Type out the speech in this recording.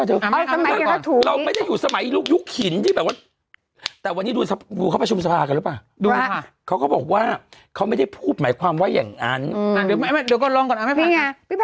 ดรจิลสูตรใหม่ดูกระจ่างใสกว่าเดิมหัวเดียวตอบโจทย์ปัญหาผิว